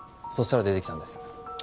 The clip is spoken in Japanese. そしたら出てきたんです。